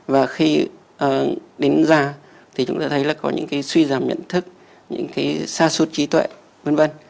và khi đến già thì chúng ta thấy là có những cái suy giảm nhận thức những cái xa suốt trí tuệ v v